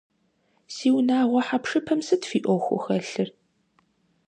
Си унагъуэ хьэпшыпым сыт фи Ӏуэхуу хэлъыр?